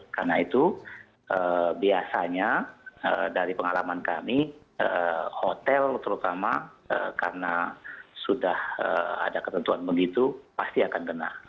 karena itu biasanya dari pengalaman kami hotel terutama karena sudah ada ketentuan begitu pasti akan kena